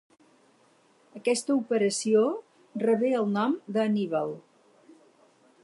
Aquesta operació rebé el nom d'Anníbal.